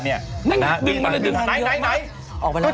ดึงมากไหน